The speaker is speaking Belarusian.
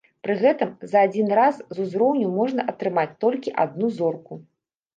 Пры гэтым за адзін раз з узроўню можна атрымаць толькі адну зорку.